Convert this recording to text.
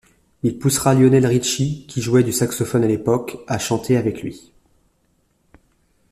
Il poussera Lionel Richie, qui jouait du saxophone à l'époque, à chanter avec lui.